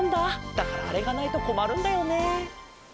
だからあれがないとこまるんだよね。